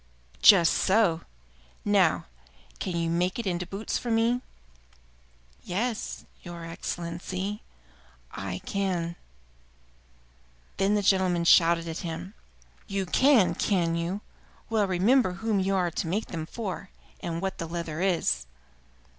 "Just so! Now, can you make it into boots for me?" "Yes, your Excellency, I can." Then the gentleman shouted at him: "You can, can you? Well, remember whom you are to make them for, and what the leather is.